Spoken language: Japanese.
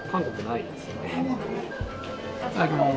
いただきます。